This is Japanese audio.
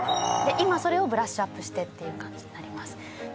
今それをブラッシュアップしてっていう感じになりますで